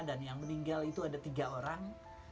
dan yang meninggal itu ada tiga orang